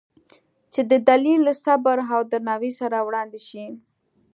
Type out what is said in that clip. چې د دلیل، صبر او درناوي سره وړاندې شي،